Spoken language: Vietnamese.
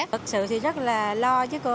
thực sự thì rất là lo